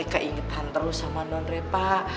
keingetan terus sama nonrepa